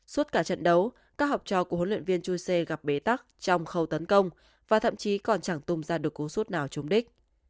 suốt cả trận đấu các học trò của huấn luyện viên chui gặp bế tắc trong khâu tấn công và thậm chí còn chẳng tung ra được cú suốt nào chống đích